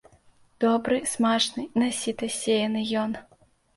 Добры, смачны, на сіта сеяны ён.